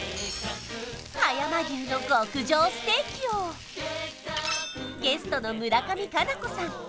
葉山牛の極上ステーキをゲストの村上佳菜子さん